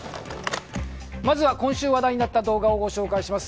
まずは今週話題になった動画をご紹介します。